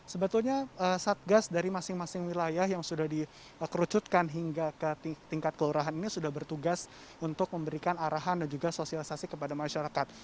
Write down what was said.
sebetulnya satgas dari masing masing wilayah yang sudah dikerucutkan hingga ke tingkat kelurahan ini sudah bertugas untuk memberikan arahan dan juga sosialisasi kepada masyarakat